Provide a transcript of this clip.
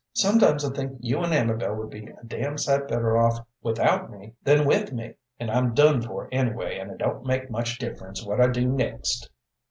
Sometimes I think you an' Amabel would be a damned sight better off without me than with me, and I'm done for anyway, and it don't make much difference what I do next.'